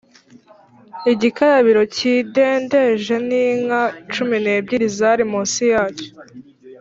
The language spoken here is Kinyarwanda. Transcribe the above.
igikarabiro kidendeje n’inka cumi n’ebyiri zari munsi yacyo,